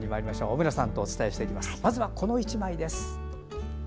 小村さんとお伝えしていきます。